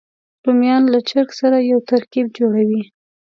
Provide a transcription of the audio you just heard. رومیان له چرګ سره یو ترکیب جوړوي